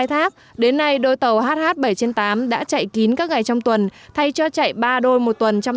khai thác đến nay đôi tàu hh bảy trên tám đã chạy kín các ngày trong tuần thay cho chạy ba đôi một tuần trong